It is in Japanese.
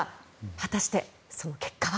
果たして、その結果は。